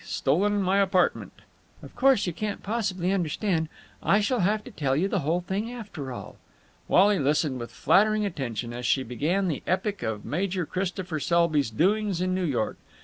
Stolen my apartment." "Of course you can't possibly understand. I shall have to tell you the whole thing, after all." Wally listened with flattering attention as she began the epic of Major Christopher Selby's doings in New York.